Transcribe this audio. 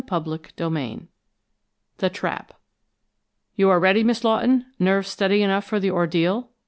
CHAPTER XVIII THE TRAP "You are ready, Miss Lawton? Nerves steady enough for the ordeal?"